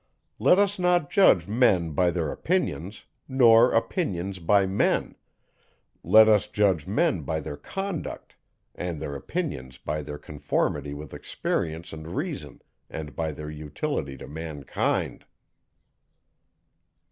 Let us not judge men by their opinions, nor opinions by men; let us judge men by their conduct, and their opinions by their conformity with experience and reason and by their utility to mankind.